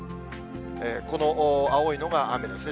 この青いのが雨ですね。